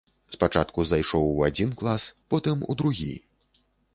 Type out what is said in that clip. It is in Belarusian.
Спачатку зайшоў у адзін клас, потым у другі.